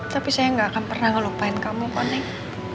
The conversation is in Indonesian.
tapi saya gak akan pernah ngelupain kamu pak neneng